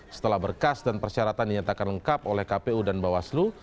setelah berkas dan persyaratan dinyatakan lengkap oleh kpu dan bawaslu